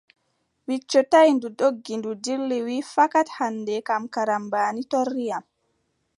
Wicco taʼi, ndu doggi, ndu dilli, wii : fakat hannde kam, karambaani torri am.